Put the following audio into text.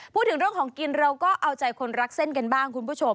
พูดถึงเรื่องของกินเราก็เอาใจคนรักเส้นกันบ้างคุณผู้ชม